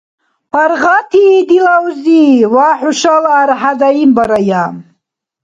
Паргъатии, дила узи, ва хӀушала архӀя даимбарая.